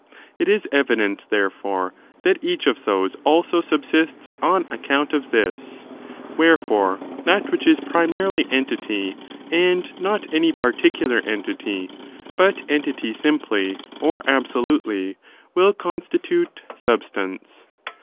It is evident, therefore, that each of those also subsists on account of this.® Wherefore, that which ^ is primarily entity, and not any particular entity, but entity ' simply or absolutely, will constitute substance.